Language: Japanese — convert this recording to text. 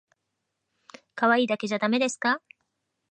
かわいいだけじゃだめですか